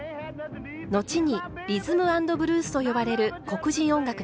後にリズム・アンド・ブルースと呼ばれる黒人音楽でした。